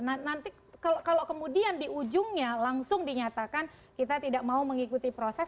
nah nanti kalau kemudian di ujungnya langsung dinyatakan kita tidak mau mengikuti proses